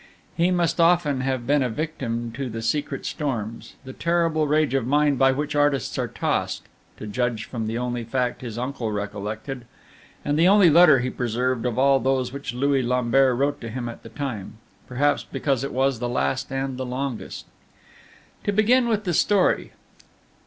He must often have been a victim to the secret storms, the terrible rage of mind by which artists are tossed to judge from the only fact his uncle recollected, and the only letter he preserved of all those which Louis Lambert wrote to him at that time, perhaps because it was the last and the longest. To begin with the story.